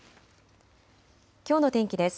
きょうの天気です。